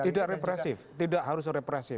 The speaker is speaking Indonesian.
tidak harus represif